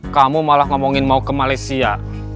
kamu malah ngomongin mau ke malaysia